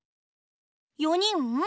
４にん？